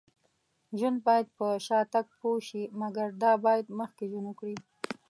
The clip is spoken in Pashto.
ژوند باید په شاتګ پوه شي. مګر دا باید مخکې ژوند وکړي